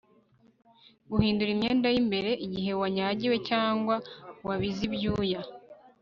guhindura imyenda y'imbere igihe wanyagiwe cyangwa wabize ibyuya